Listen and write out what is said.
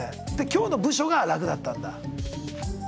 今日の部署が楽だったんだ。